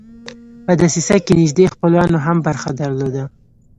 په دسیسه کې نیژدې خپلوانو هم برخه درلوده.